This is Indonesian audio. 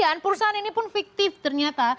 dan perusahaan ini pun fiktif ternyata